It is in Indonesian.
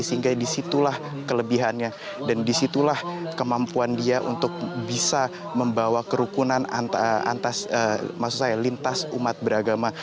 sehingga disitulah kelebihannya dan disitulah kemampuan dia untuk bisa membawa kerukunan lintas umat beragama